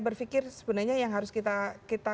berpikir sebenarnya yang harus kita